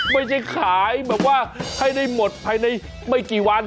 ไม่ใช่ขายแบบว่าให้ได้หมดภายในไม่กี่วัน